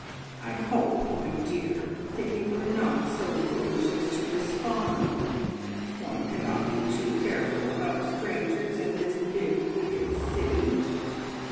I hope, my dear, that you were not so foolish as to respond. One cannot be too careful about strangers in this big wicked city.